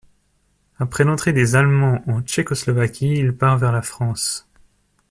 Après l'entrée des Allemands en Tchécoslovaquie, il part vers la France.